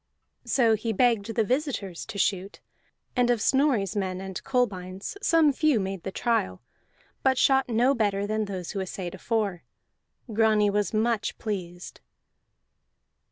So he begged the visitors to shoot, and of Snorri's men and Kolbein's some few made the trial, but shot no better than those who assayed afore. Grani was much pleased.